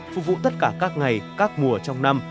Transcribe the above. phục vụ tất cả các ngày các mùa trong năm